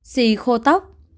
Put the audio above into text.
xì khô tóc